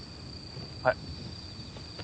はい。